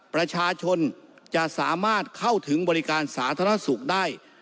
ประชาชนจะสามารถเข้าถึงบริการสาธารณสุขได้